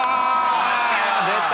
出た。